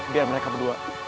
biar mereka berdua